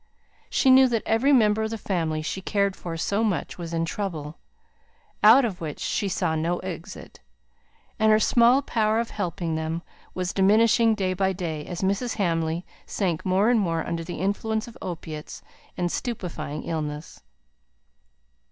She knew that every member of the family she cared for so much was in trouble, out of which she saw no exit; and her small power of helping them was diminishing day by day as Mrs. Hamley sank more and more under the influence of opiates and stupefying illness.